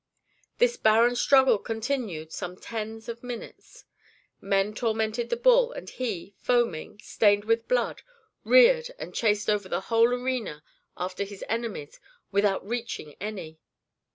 This barren struggle continued some tens of minutes. Men tormented the bull, and he, foaming, stained with blood, reared and chased over the whole arena after his enemies without reaching any.